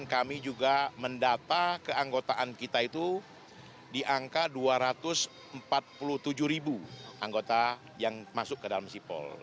kita mendaftar keanggotaan kita itu di angka dua ratus empat puluh tujuh anggota yang masuk ke dalam sipol